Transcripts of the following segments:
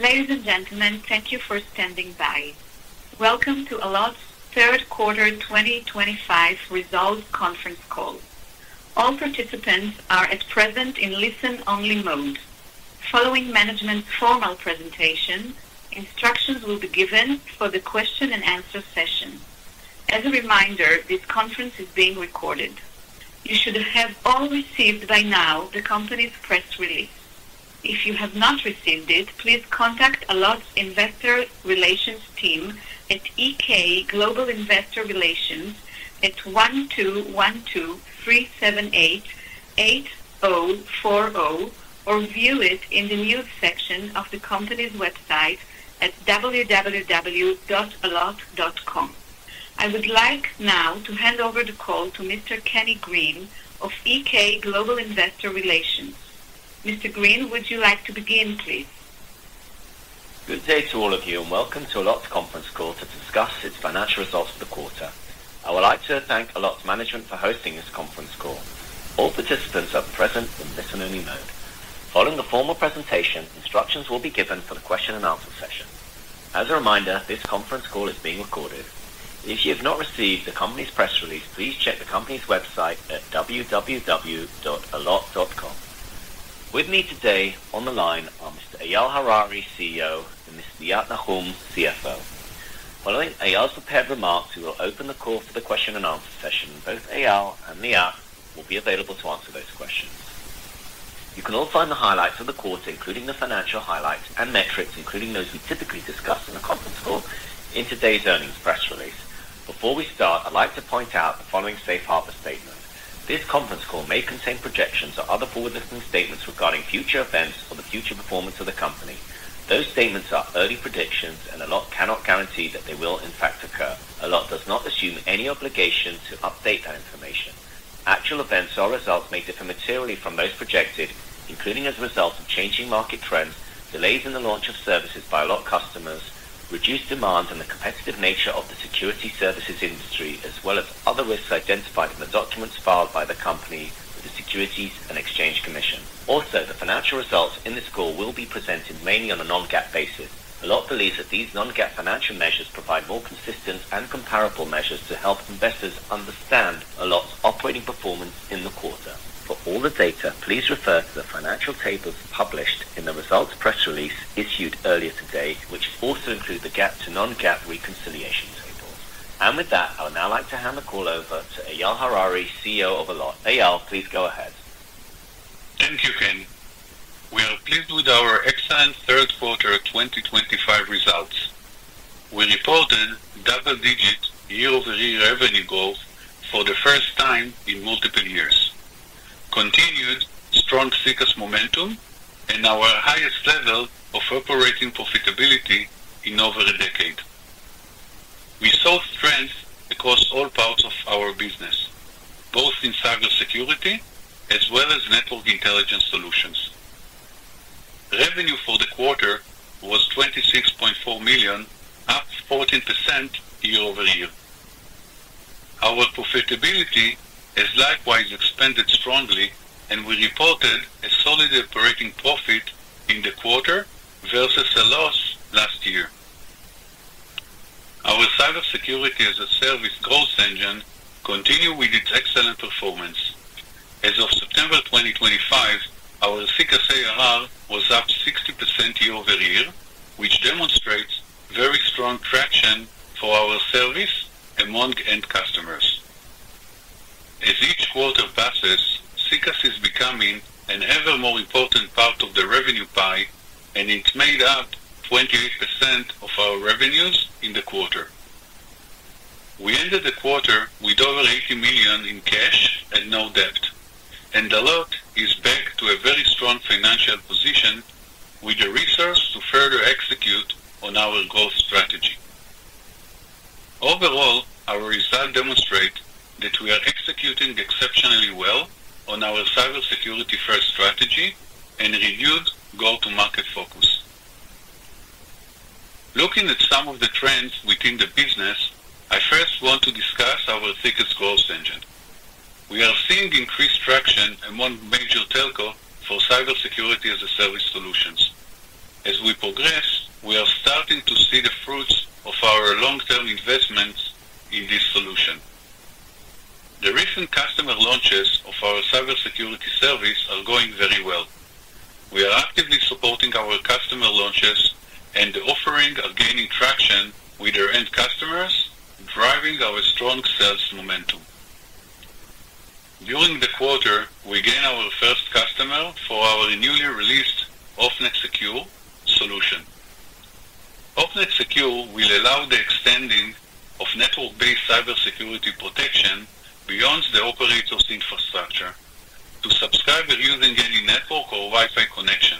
Ladies and gentlemen, thank you for standing by. Welcome to Allot's Third Quarter 2025 Results Conference Call. All participants are at present in listen-only mode. Following management's formal presentation, instructions will be given for the question-and-answer session. As a reminder, this conference is being recorded. You should have all received by now the company's press release. If you have not received it, please contact Allot's Investor Relations team at EK Global Investor Relations at 12123788040 or view it in the news section of the company's website at www.allot.com. I would like now to hand over the call to Mr. Kenny Green of EK Global Investor Relations. Mr. Green, would you like to begin, please? Good day to all of you, and welcome to Allot's Conference Call to discuss its financial results for the quarter. I would like to thank Allot's management for hosting this conference call. All participants are present in listen-only mode. Following the formal presentation, instructions will be given for the question-and-answer session. As a reminder, this conference call is being recorded. If you have not received the company's press release, please check the company's website at www.allot.com. With me today on the line are Mr. Eyal Harari, CEO, and Ms. Liat Nahum, CFO. Following Eyal's prepared remarks, we will open the call for the question-and-answer session. Both Eyal and Liat will be available to answer those questions. You can all find the highlights of the quarter, including the financial highlights, and metrics, including those we typically discuss in the conference call, in today's earnings press release. Before we start, I'd like to point out the following safe harbor statement. This conference call may contain projections or other forward-looking statements regarding future events or the future performance of the company. Those statements are early predictions, and Allot cannot guarantee that they will, in fact, occur. Allot does not assume any obligation to update that information. Actual events or results may differ materially from those projected, including as a result of changing market trends, delays in the launch of services by Allot customers, reduced demand, and the competitive nature of the security services industry, as well as other risks identified in the documents filed by the company with the Securities and Exchange Commission. Also, the financial results in this call will be presented mainly on a non-GAAP basis. Allot believes that these non-GAAP financial measures provide more consistent and comparable measures to help investors understand Allot's operating performance in the quarter. For all the data, please refer to the financial tables published in the results press release issued earlier today, which also include the GAAP to non-GAAP reconciliation tables. With that, I would now like to hand the call over to Eyal Harari, CEO of Allot. Eyal, please go ahead. Thank you, Ken. We are pleased with our excellent third quarter 2025 results. We reported double-digit year-over-year revenue growth for the first time in multiple years, continued strong success momentum, and our highest level of operating profitability in over a decade. We saw strength across all parts of our business, both in cybersecurity as well as network intelligence solutions. Revenue for the quarter was $26.4 million, up 14% year-over-year. Our profitability has likewise expanded strongly, and we reported a solid operating profit in the quarter versus a loss last year. Our cybersecurity as a service growth engine continued with its excellent performance. As of September 2025, our CCAs ARR was up 60% year-over-year, which demonstrates very strong traction for our service among end customers. As each quarter passes, CCAs is becoming an ever more important part of the revenue pie, and it's made up 28% of our revenues in the quarter. We ended the quarter with over $80 million in cash and no debt, and Allot is back to a very strong financial position with the resource to further execute on our growth strategy. Overall, our results demonstrate that we are executing exceptionally well on our cybersecurity-first strategy and renewed go-to-market focus. Looking at some of the trends within the business, I first want to discuss our CCAs growth engine. We are seeing increased traction among major telco for cybersecurity as a service solutions. As we progress, we are starting to see the fruits of our long-term investments in this solution. The recent customer launches of our cybersecurity service are going very well. We are actively supporting our customer launches, and the offering is gaining traction with our end customers, driving our strong sales momentum. During the quarter, we gained our first customer for our newly released OPNET Secure solution. OPNET Secure will allow the extending of network-based cybersecurity protection beyond the operator's infrastructure to subscribers using any network or Wi-Fi connection.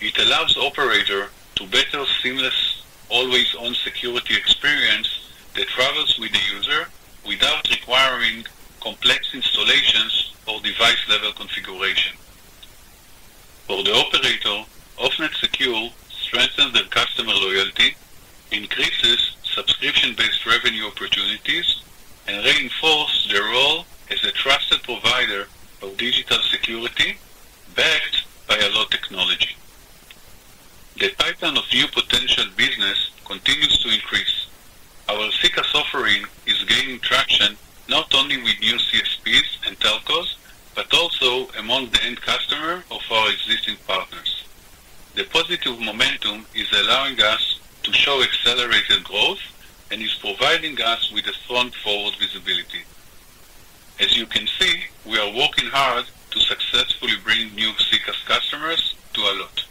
It allows operators to better seamless always-on security experience that travels with the user without requiring complex installations or device-level configuration. For the operator, OPNET Secure strengthens their customer loyalty, increases subscription-based revenue opportunities, and reinforces their role as a trusted provider of digital security backed by Allot technology. The pipeline of new potential business continues to increase. Our CCAs offering is gaining traction not only with new CSPs and telcos but also among the end customers of our existing partners. The positive momentum is allowing us to show accelerated growth and is providing us with a strong forward visibility. As you can see, we are working hard to successfully bring new CCAs customers to Allot.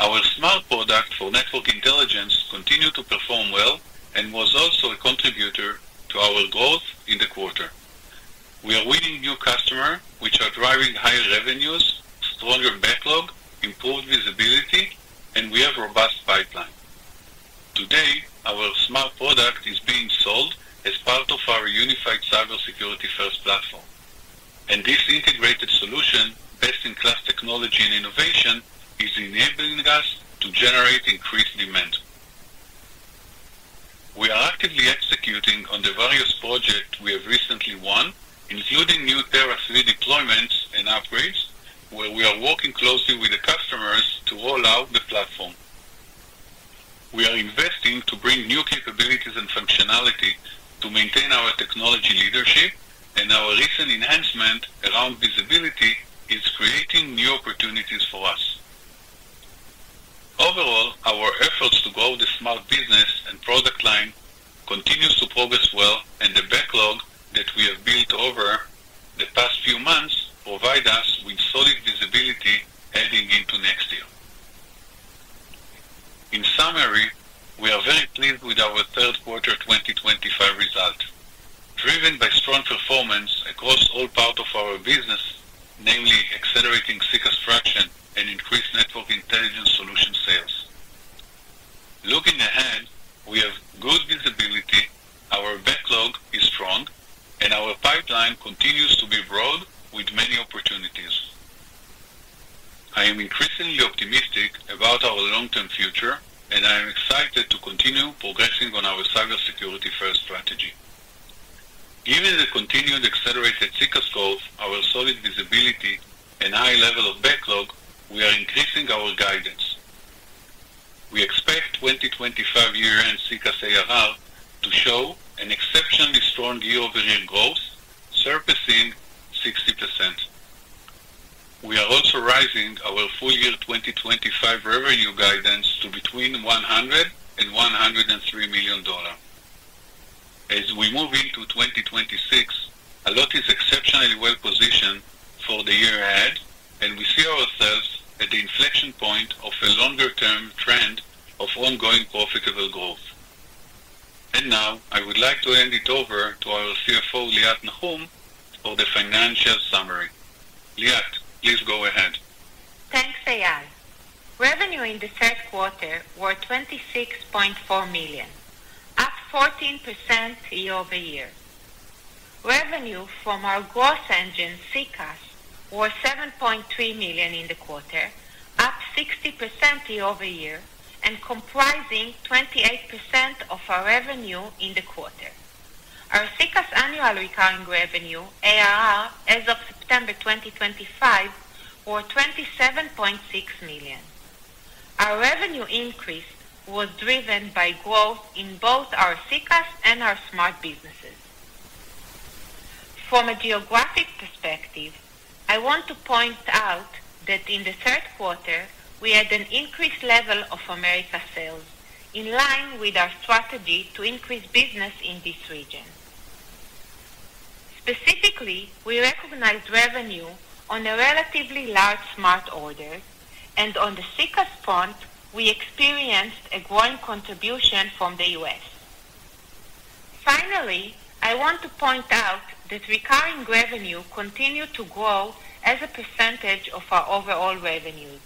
Our Smart product for network intelligence continued to perform well and was also a contributor to our growth in the quarter. We are winning new customers, which are driving higher revenues, stronger backlog, improved visibility, and we have a robust pipeline. Today, our Smart product is being sold as part of our unified cybersecurity-first platform, and this integrated solution, best-in-class technology and innovation, is enabling us to generate increased demand. We are actively executing on the various projects we have recently won, including new Terra 3 deployments and upgrades, where we are working closely with the customers to roll out the platform. We are investing to bring new capabilities and functionality to maintain our technology leadership, and our recent enhancement around visibility is creating new opportunities for us. Overall, our efforts to grow the Smart business and product line continue to progress well, and the backlog that we have built over the past few months provides us with solid visibility heading into next year. In summary, we are very pleased with our third quarter 2025 result, driven by strong performance across all parts of our business, namely accelerating CCAs traction and increased network intelligence solution sales. Looking ahead, we have good visibility, our backlog is strong, and our pipeline continues to be broad with many opportunities. I am increasingly optimistic about our long-term future, and I am excited to continue progressing on our cybersecurity-first strategy. Given the continued accelerated CCAs growth, our solid visibility, and high level of backlog, we are increasing our guidance. We expect 2025 year-end CCAs ARR to show an exceptionally strong year-over-year growth, surpassing 60%. We are also raising our full-year 2025 revenue guidance to between $100 million and $103 million. As we move into 2026, Allot is exceptionally well-positioned for the year ahead, and we see ourselves at the inflection point of a longer-term trend of ongoing profitable growth. I would like to hand it over to our CFO, Liat Nahum, for the financial summary. Liat, please go ahead. Thanks, Eyal. Revenue in the third quarter was $26.4 million, up 14% year-over-year. Revenue from our growth engine, CCAs, was $7.3 million in the quarter, up 60% year-over-year, and comprising 28% of our revenue in the quarter. Our CCAs annual recurring revenue, ARR, as of September 2025, was $27.6 million. Our revenue increase was driven by growth in both our CCAs and our Smart businesses. From a geographic perspective, I want to point out that in the third quarter, we had an increased level of America sales in line with our strategy to increase business in this region. Specifically, we recognized revenue on a relatively large Smart order, and on the CCAs front, we experienced a growing contribution from the U.S. Finally, I want to point out that recurring revenue continued to grow as a percentage of our overall revenue,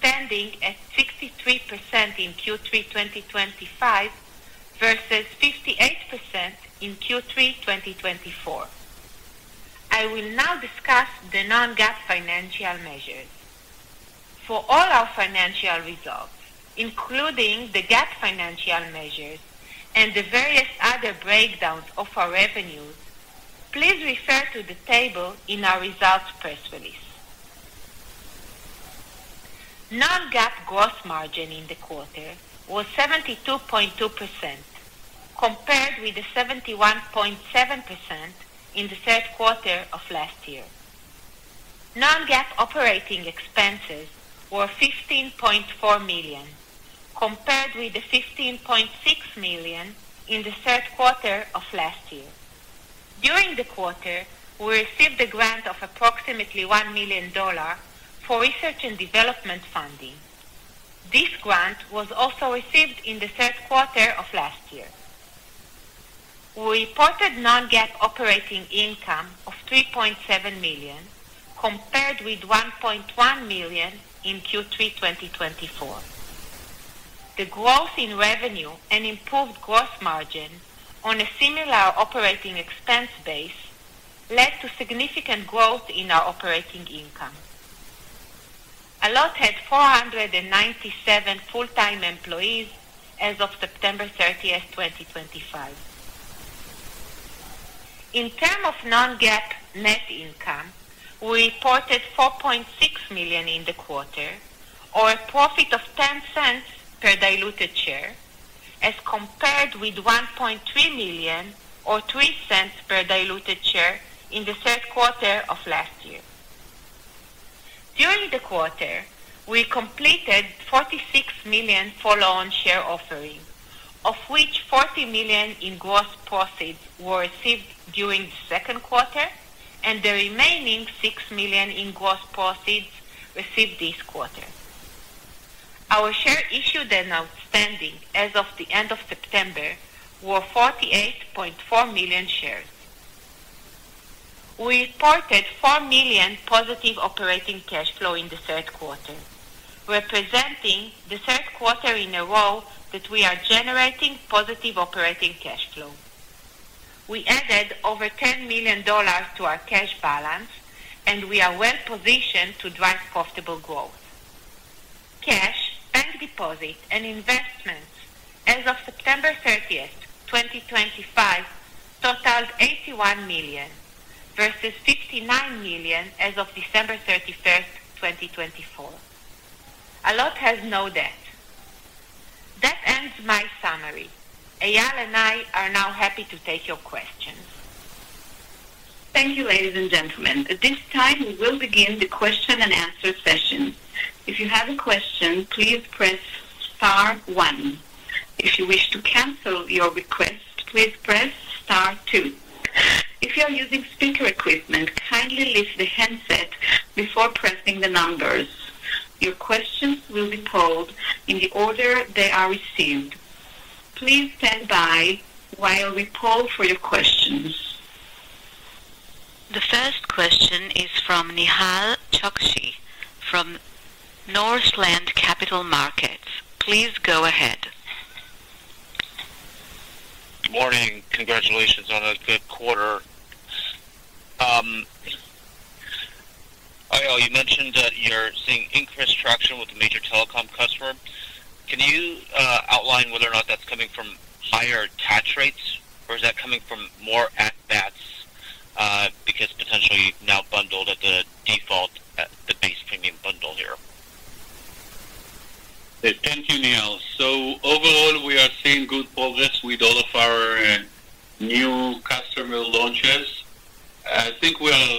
standing at 63% in Q3 2025 versus 58% in Q3 2024. I will now discuss the non-GAAP financial measures. For all our financial results, including the GAAP financial measures and the various other breakdowns of our revenues, please refer to the table in our results press release. Non-GAAP gross margin in the quarter was 72.2%, compared with the 71.7% in the third quarter of last year. Non-GAAP operating expenses were $15.4 million, compared with the $15.6 million in the third quarter of last year. During the quarter, we received a grant of approximately $1 million for research and development funding. This grant was also received in the third quarter of last year. We reported non-GAAP operating income of $3.7 million, compared with $1.1 million in Q3 2024. The growth in revenue and improved gross margin on a similar operating expense base led to significant growth in our operating income. Allot had 497 full-time employees as of September 30, 2025. In terms of non-GAAP net income, we reported $4.6 million in the quarter, or a profit of $0.10 per diluted share, as compared with $1.3 million, or $0.03 per diluted share, in the Third Quarter of last year. During the quarter, we completed a $46 million follow-on share offering, of which $40 million in gross proceeds were received during the Second Quarter, and the remaining $6 million in gross proceeds received this quarter. Our shares issued and outstanding as of the end of September were 48.4 million shares. We reported $4 million positive operating cash flow in the Third Quarter, representing the third quarter in a row that we are generating positive operating cash flow. We added over $10 million to our cash balance, and we are well-positioned to drive profitable growth. Cash, bank deposit, and investments as of September 30, 2025, totaled $81 million versus $59 million as of December 31, 2024. Allot has no debt. That ends my summary. Eyal and I are now happy to take your questions. Thank you, ladies and gentlemen. At this time, we will begin the question and answer session. If you have a question, please press Star one. If you wish to cancel your request, please press Star two. If you are using speaker equipment, kindly lift the handset before pressing the numbers. Your questions will be polled in the order they are received. Please stand by while we poll for your questions. The first question is from Nehal Chokshi from Northland Capital Markets. Please go ahead. Morning. Congratulations on a good quarter. Eyal, you mentioned that you're seeing increased traction with a major telecom customer. Can you outline whether or not that's coming from higher tax rates, or is that coming from more at-bats because potentially now bundled at the default, at the base premium bundle here? Thank you, Nehal. Overall, we are seeing good progress with all of our new customer launches. I think we are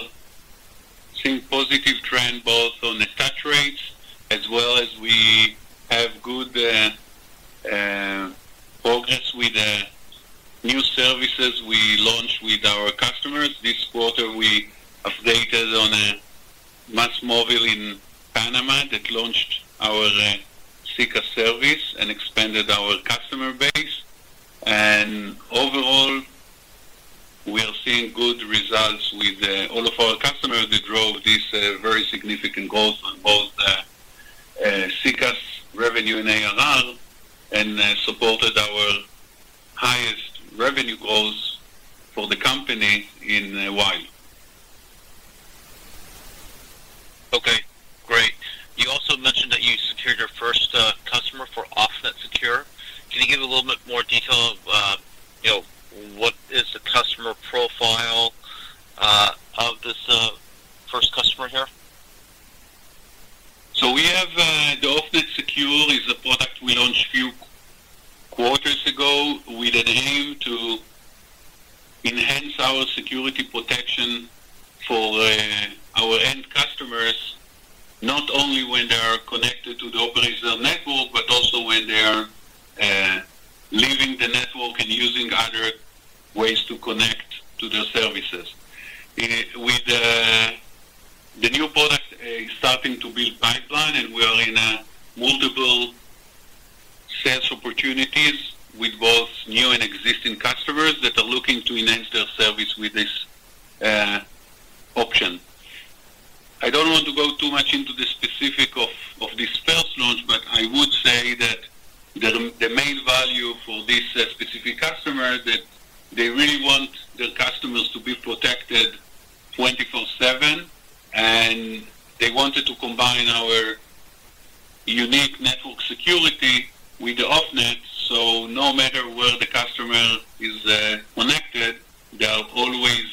seeing a positive trend both on the tax rates as well as we have good progress with the new services we launched with our customers. This quarter, we updated on Más Móvil in Panama that launched our CCAs service and expanded our customer base. Overall, we are seeing good results with all of our customers that drove this very significant growth on both CCAs revenue and ARR and supported our highest revenue growth for the company in a while. Okay. Great. You also mentioned that you secured your first customer for OPNET Secure. Can you give a little bit more detail of what is the customer profile of this first customer here? We have the OPNET Secure is a product we launched a few quarters ago with an aim to enhance our security protection for our end customers, not only when they are connected to the operational network, but also when they are leaving the network and using other ways to connect to their services. With the new product, it's starting to build a pipeline, and we are in multiple sales opportunities with both new and existing customers that are looking to enhance their service with this option. I don't want to go too much into the specifics of this first launch, but I would say that the main value for this specific customer is that they really want their customers to be protected 24/7, and they wanted to combine our unique network security with the OPNET, so no matter where the customer is connected, they're always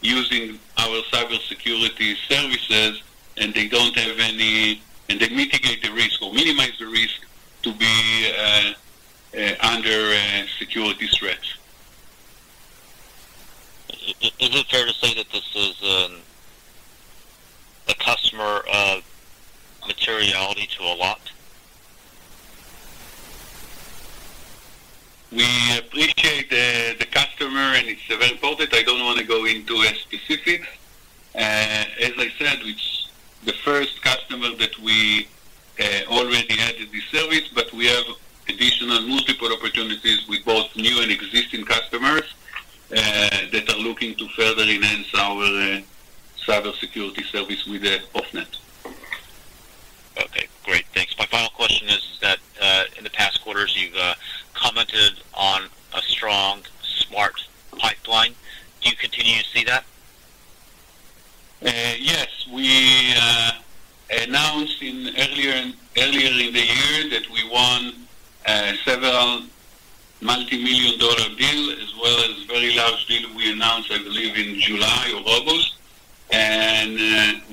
using our cybersecurity services, and they don't have any—and they mitigate the risk or minimize the risk to be under security threats. Is it fair to say that this is a customer materiality to Allot? We appreciate the customer, and it's very important. I don't want to go into specifics. As I said, it's the first customer that we large deal we announced, I believe, in July or August.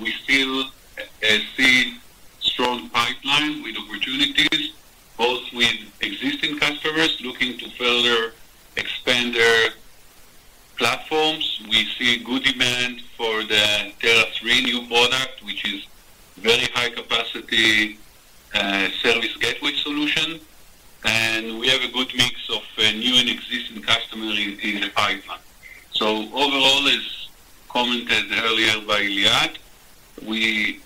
We still see a strong pipeline with opportunities, both with existing customers looking to further expand their platforms. We see good demand for the Terra 3 new product, which is a very high-capacity service gateway solution. We have a good mix of new and existing customers in the pipeline. Overall, as commented earlier by Liat, we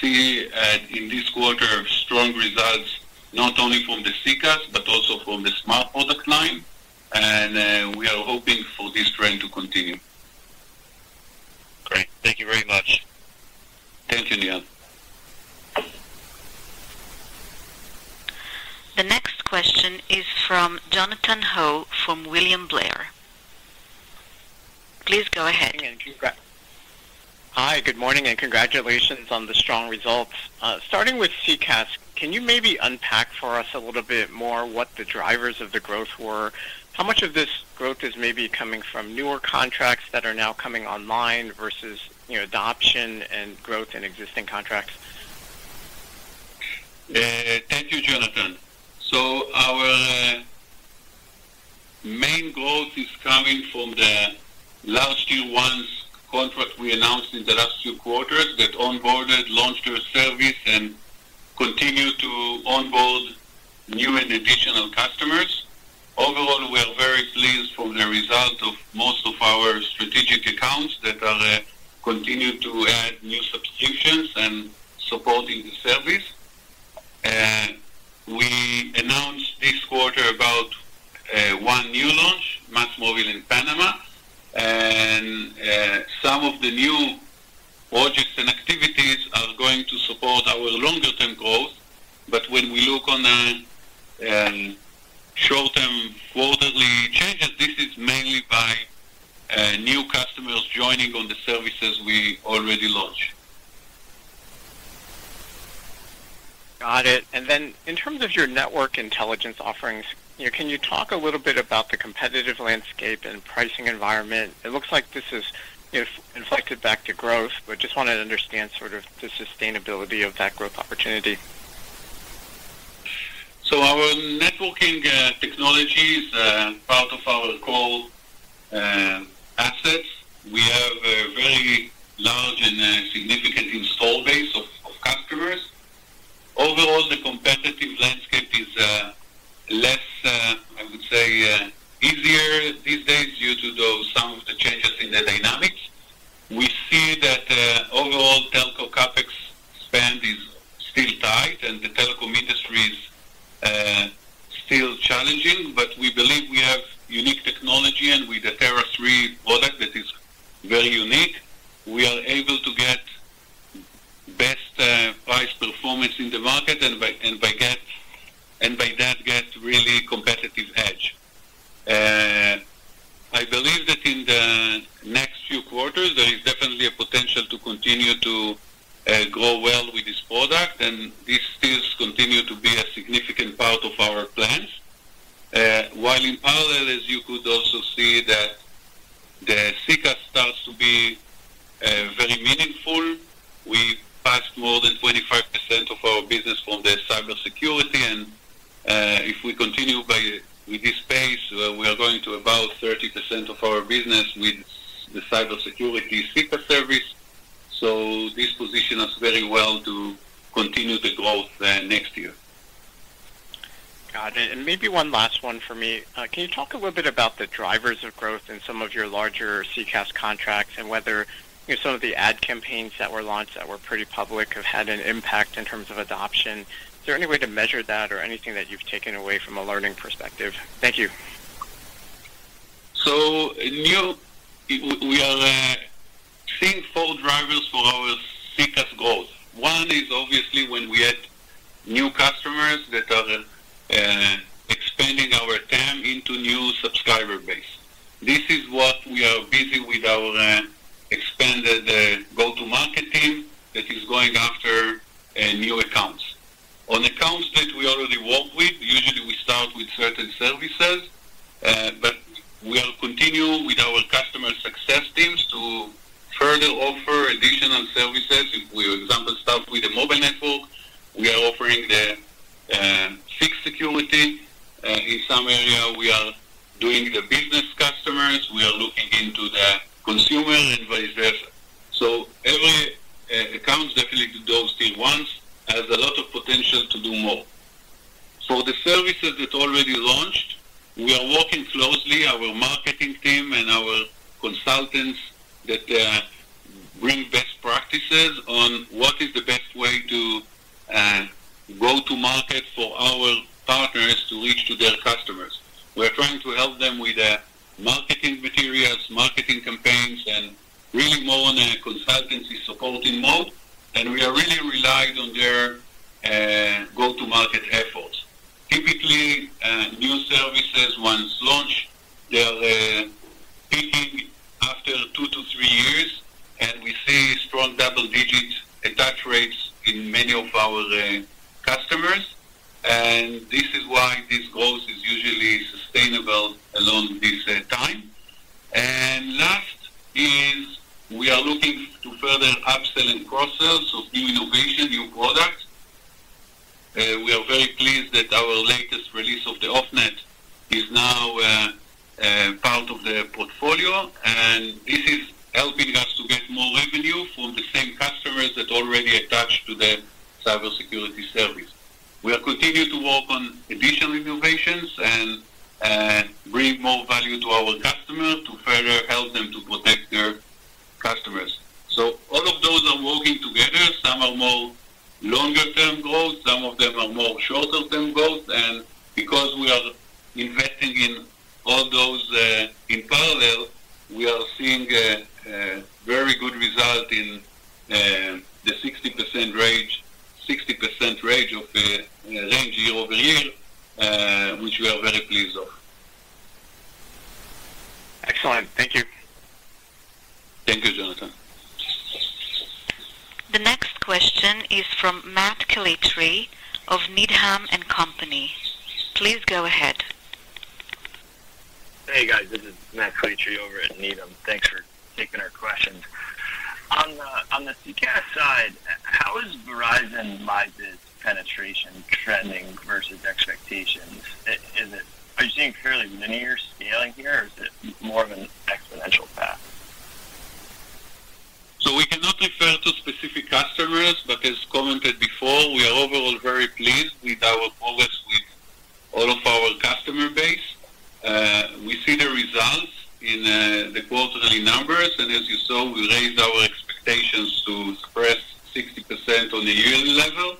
see in this quarter strong results not only from the CCAs but also from the smart product line. We are hoping for this trend to continue. Great. Thank you very much. Thank you, Nihal. The next question is from Jonathan Ho from William Blair. Please go ahead. Hi. Good morning and congratulations on the strong results. Starting with CCAs, can you maybe unpack for us a little bit more what the drivers of the growth were? How much of this growth is maybe coming from newer contracts that are now coming online versus adoption and growth in existing contracts? Thank you, Jonathan. Our main growth is coming from last year's one contract we announced in the last two quarters that onboarded, launched our service, and continued to onboard new and additional customers. Overall, we are very pleased with the result of most of our strategic accounts that are continuing to add new subscriptions and supporting the service. We announced this quarter about one new launch, Más Móvil in Panama. Some of the new projects and activities are going to support our longer-term growth. When we look on the short-term quarterly changes, this is mainly by new customers joining on the services we already launched. Got it. In terms of your network intelligence offerings, can you talk a little bit about the competitive landscape and pricing environment? It looks like this has inflected back to growth, but just wanted to understand sort of the sustainability of that growth opportunity. Our networking technology is part of our core assets. We have a very large and significant install base of customers. Overall, the competitive landscape is, I would say, easier Got it. Maybe one last one for me. Can you talk a little bit about the drivers of growth in some of your larger CCAs contracts and whether some of the ad campaigns that were launched that were pretty public have had an impact in terms of adoption? Is there any way to measure that or anything that you've taken away from a learning perspective? Thank you. We are seeing four drivers for our CCAs growth. One is obviously when we add new customers that are expanding our TAM into new subscriber base. This is what we are busy with, our expanded go-to-market team that is going after new accounts. On accounts that we already work with, usually we start with certain services, but we are continuing with our customer success teams to further offer additional services. For example, start with the mobile network. We are offering the fixed security. In some area, we are doing the business customers. We are looking into the consumer and vice versa. Every account definitely does things once, has a lot of potential to do more. For the services that are already launched, we are working closely, our marketing team and our consultants that bring best practices on what is the best way to go-to-market for our partners to reach their customers. We are trying to help them with marketing materials, marketing campaigns, and really more on a consultancy supporting mode. We are really reliant on their go-to-market efforts. Typically, new services once launched, they are peaking after two to three years, and we see strong double-digit attach rates in many of our customers. This is why this growth is usually sustainable along this time. Last is we are looking to further upsell and cross-sell new innovation, new products. We are very pleased that our latest release of the OPNET is now part of the portfolio, and this is helping us to get more revenue from the same customers that already attach to the cybersecurity service. We are continuing to work on additional innovations and bring more value to our customers to further help them to protect their customers. All of those are working together. Some are more longer-term growth. Some of them are more short-term growth. Because we are investing in all those in parallel, we are seeing a very good result in the 60% range year over year, which we are very pleased with. Excellent. Thank you. Thank you, Jonathan. The next question is from Matt Calitri of Needham & Company. Please go ahead. Hey, guys. This is Matt Calitri over at Needham. Thanks for taking our questions. On the CCAs side, how is Verizon Live's penetration trending versus expectations? Are you seeing fairly linear scaling here, or is it more of an exponential path? We cannot refer to specific customers, but as commented before, we are overall very pleased with our progress with all of our customer base. We see the results in the quarterly numbers. As you saw, we raised our expectations to press 60% on the yearly level.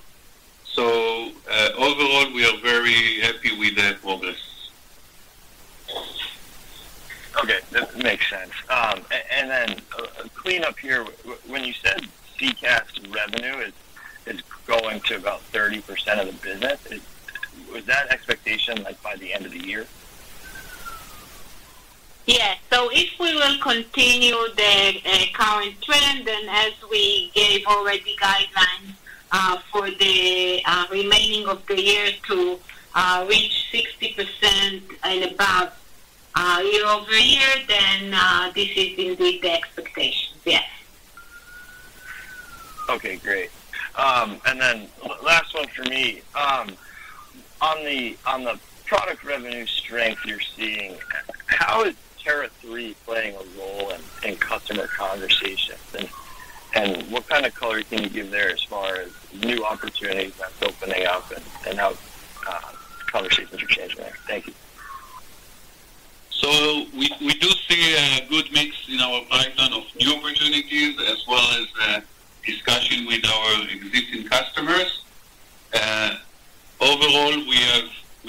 Overall, we are very happy with the progress. Okay. That makes sense. When you said CCAs revenue is going to about 30% of the business, was that expectation by the end of the year? Yeah. If we will continue the current trend and as we gave already guidelines for the remaining of the year to reach 60% and above year over year, this is indeed the expectation. Yes. Okay. Great. Last one for me. On the product revenue strength you're seeing, how is Terra 3 playing a role in customer conversations? What kind of color can you give there as far as new opportunities that's opening up and how conversations are changing there? Thank you. We do see a good mix in our pipeline of new opportunities as well as discussion with our existing customers. Overall, we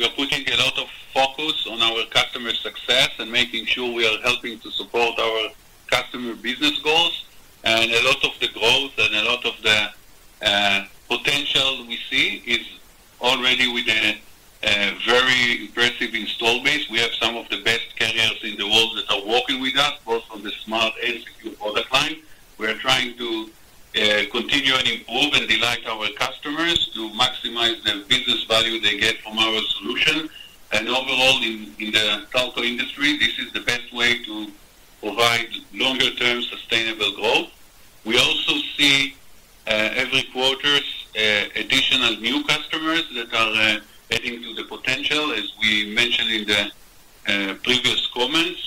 are putting a lot of focus on our customer success and making sure we are helping to support our customer business goals. A lot of the growth and a lot of the potential we see is already with a very impressive install base. We have some of the best carriers in the world that are working with us, both on the Smart Execute product line. We are trying to continue and improve and delight our customers to maximize the business value they get from our solution. Overall, in the telco industry, this is the best way to provide longer-term sustainable growth. We also see every quarter additional new customers that are adding to the potential. As we mentioned in the previous comments,